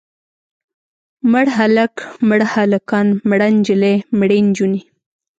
مړ هلک، مړه هلکان، مړه نجلۍ، مړې نجونې.